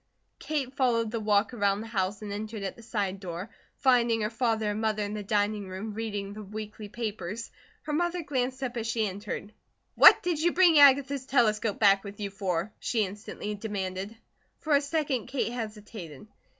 Kate followed the walk around the house and entered at the side door, finding her father and mother in the dining room reading the weekly papers. Her mother glanced up as she entered. "What did you bring Agatha's telescope back with you for?" she instantly demanded. For a second Kate hesitated.